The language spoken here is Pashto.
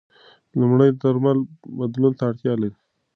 لومړنۍ درملنه بدلون ته اړتیا لري.